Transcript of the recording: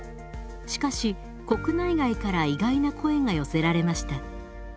しかし国内外から意外な声が寄せられました。